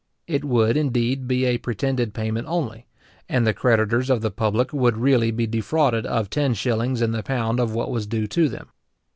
It would, indeed, be a pretended payment only, and the creditors of the public would really be defrauded of ten shillings in the pound of what was due to them.